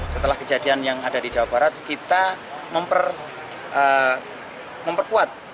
setelah kejadian yang ada di jawa barat kita memperkuat